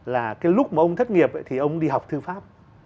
là cái lúc mà ông thất nghiệp thì ông đi học thư pháp